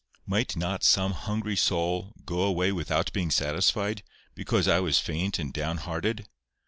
Might not some hungry soul go away without being satisfied, because I was faint and down hearted?